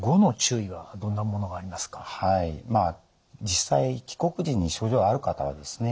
実際帰国時に症状がある方はですね